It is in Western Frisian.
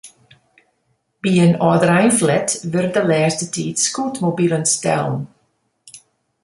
By in âldereinflat wurde de lêste tiid scootmobilen stellen.